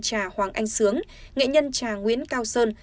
cha hoàng anh sướng nghệ nhân cha nguyễn cao sơn